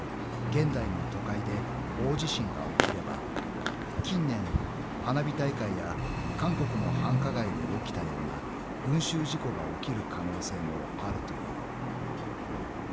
現代の都会で大地震が起きれば近年花火大会や韓国の繁華街で起きたような群集事故が起きる可能性もあるという］